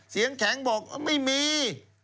เสียงแข็งบอกไม่มี